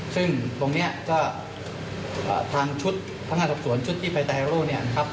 ซึ่งตรงนี้ก็ทางชุดพนักงานสอบสวนชุดที่ไปไตรโร่เนี่ยนะครับ